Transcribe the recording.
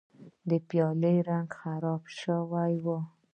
د پیالې رنګ خراب شوی و.